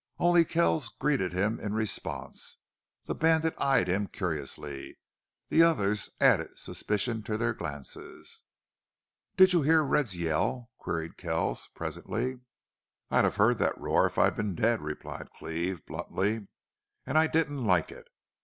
Only Kells greeted him in response. The bandit eyed him curiously. The others added suspicion to their glances. "Did you hear Red's yell?" queried Kells, presently. "I'd have heard that roar if I'd been dead," replied Cleve, bluntly. "And I didn't like it!...